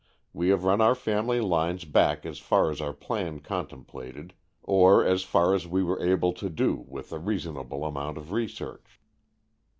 We have run our family lines back as far as our plan contemplated, or as far as we were able to do with a reasonable amount of research.